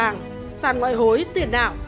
sản vàng sản ngoại hối tiền ảo